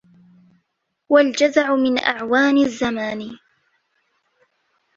وَالْجَزَعُ مِنْ أَعْوَانِ الزَّمَانِ